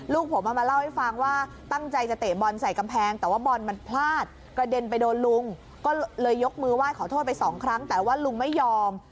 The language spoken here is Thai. ลูกผมเอามาเล่าให้ฟังว่าตั้งใจจะเตะบอลใส่กำแพงแต่ว่าบอลมันพลาดกระเด็นไปโดนลุงก็เลยยกมือไหว้ขอโทษไปสองครั้งแต่ว่าลุงไม่ยอม